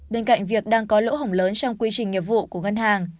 bên cạnh việc đang có lỗ hổng lớn trong quy trình nghiệp vụ của ngân hàng